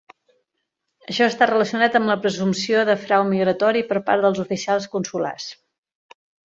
Això està relacionat amb la presumpció de frau migratori per part dels oficials consulars.